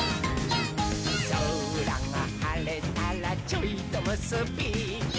「そらがはれたらちょいとむすび」